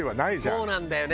そうなんだよね。